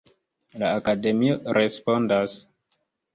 La Akademio respondas.